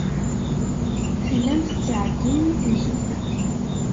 Tellam tettɛeyyinem i temsulta.